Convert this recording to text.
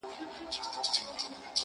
• ستا پستو غوښو ته اوس مي هم زړه کیږي,